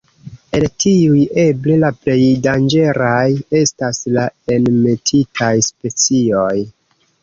El tiuj, eble la plej danĝeraj estas la enmetitaj specioj.